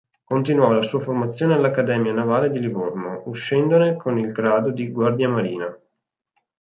Continuò la sua formazione all'Accademia navale di Livorno, uscendone con il grado di guardiamarina.